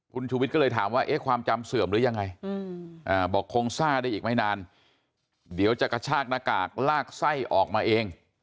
คุณชูวิทย์ก็เลยถามว่าความจำเสื่อมหรือยังไงบอกคงซ่าได้อีกไม่นานเดี๋ยวจะกระชากหน้ากากลากไส้ออกมาเอง